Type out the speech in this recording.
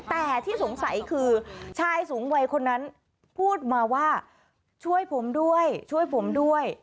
แต่ที่สงสัยคือชายสูงวัยคนนั้นพูดมาว่าช่วยผมด้วยช่วยผมด้วย